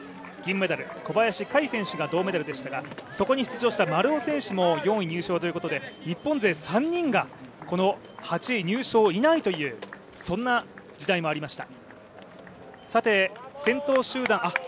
メダル小林選手が銀メダルでしたがそこに出場した丸尾選手も４位入賞ということで日本勢３人がこの８位入賞以内というそんな時代もありました。